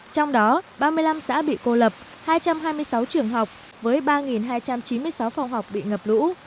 trong đó ba mươi năm xã bị cô lập hai trăm hai mươi sáu trường học với ba hai trăm chín mươi sáu phòng học bị ngập lũ